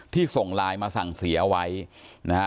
ที่ส่งไลน์มาสั่งเสียไว้นะฮะ